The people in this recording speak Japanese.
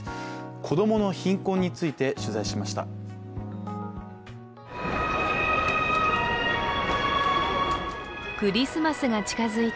子供の貧困について取材しました。